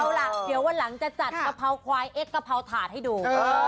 อ้าวละเดี๋ยววันหลังแจ็ดกะเพาไขวแล้วกะเพาถาดให้ดู